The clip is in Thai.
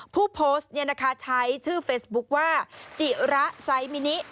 ผู้โพสต์เนี่ยนะคะใช้ชื่อเฟซบุ๊คว่าจิระไซมินิ